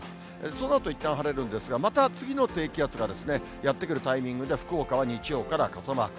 そのあといったん晴れるんですが、また次の低気圧がですね、やって来るタイミングで福岡は日曜から傘マーク。